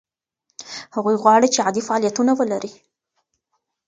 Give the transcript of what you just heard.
هغوی غواړي عادي فعالیتونه ولري.